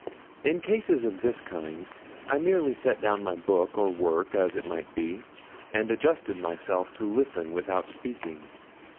In cases of this kind I merely set down my book or work, as it might be, and adjusted myself to listen without speaking.